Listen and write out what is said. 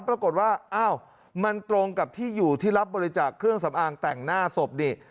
ปรากฏว่าอ้าวมันตรงกับที่อยู่ที่รับบริจาคเครื่องสำอางแต่งหน้าศพนี่